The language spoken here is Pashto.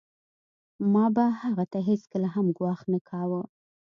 ما به هغه ته هېڅکله هم ګواښ نه کاوه